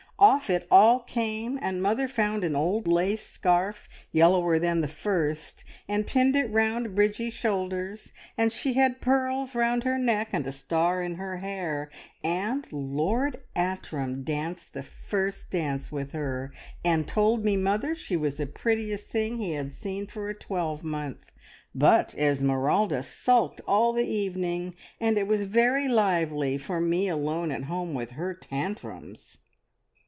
Off it all came, and mother found an old lace scarf, yellower than the first, and pinned it round Bridgie's shoulders, and she had pearls round her neck, and a star in her hair, and Lord Atrim danced the first dance with her, and told me mother she was the prettiest thing he had seen for a twelvemonth. But Esmeralda sulked all the evening, and it was very lively for me alone at home with her tantrums!"